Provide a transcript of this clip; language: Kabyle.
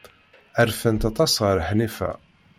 Rfant aṭas ɣef Ḥnifa.